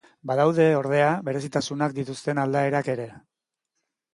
Badaude, ordea, berezitasunak dituzten aldaerak ere.